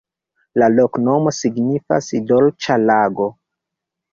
La loknomo signifas: "dolĉa lago".